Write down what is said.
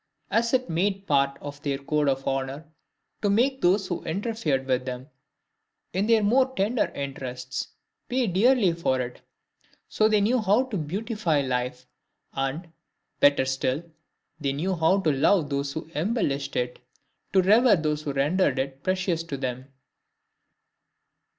As it made part of their code of honor to make those who interfered with them, in their more tender interests, pay dearly for it; so they knew how to beautify life, and, better still, they knew how to love those who embellished it; to revere those who rendered it precious to them.